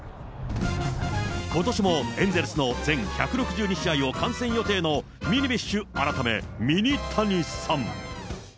ことしもエンゼルスの全１６２試合を観戦予定の、ミニビッシュ改め、ミニタニさん。